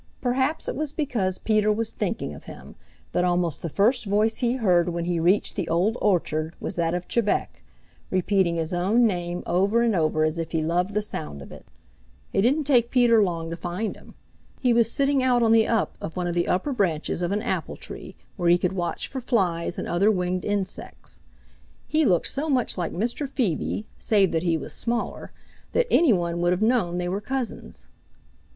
Perhaps it was because Peter was thinking of him that almost the first voice he heard when he reached the Old Orchard was that of Chebec, repeating his own name over and over as if he loved the sound of it. It didn't take Peter long to find him. He was sitting out on the up of one of the upper branches of an apple tree where he could watch for flies and other winged insects. He looked so much like Mr. Phoebe, save that he was smaller, that any one would have know they were cousins.